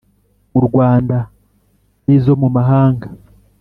mu Rwanda n izo mu mahanga